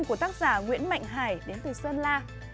của tác giả nguyễn mạnh hải đến từ sơn la